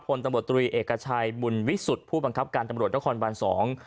ผลตมตรภีร์เอกชัยบุญวิสุทธิ์ผู้บังคับการตำรวจระครอลบรรย์สอง